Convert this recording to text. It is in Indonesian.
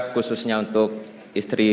khususnya untuk istri